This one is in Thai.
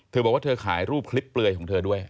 เธอบอกว่าเธอขายรูปคลิปเปลือยของเธอด้วย